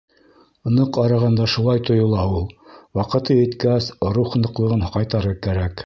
Ныҡ арығанда шулай тойола ул. Ваҡыты еткәс, рух ныҡлығын ҡайтарыр кәрәк.